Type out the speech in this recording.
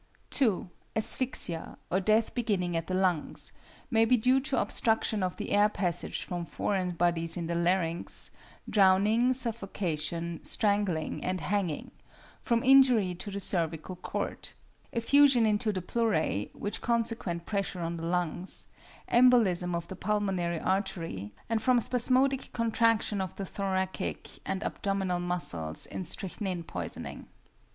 2. =Asphyxia=, or death beginning at the lungs, may be due to obstruction of the air passages from foreign bodies in the larynx, drowning, suffocation, strangling, and hanging; from injury to the cervical cord; effusion into the pleuræ, with consequent pressure on the lungs; embolism of the pulmonary artery; and from spasmodic contraction of the thoracic and abdominal muscles in strychnine poisoning.